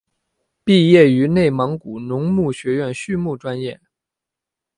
毕业于内蒙古农牧学院畜牧专业。